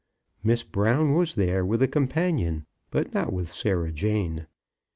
Miss Brown was there with a companion, but not with Sarah Jane.